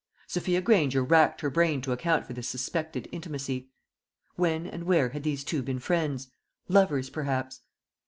Sophia Granger racked her brain to account for this suspected intimacy. When and where had these two been friends, lovers perhaps?